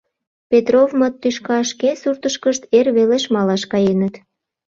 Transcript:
Петровмыт тӱшка шке суртышкышт эр велеш малаш каеныт.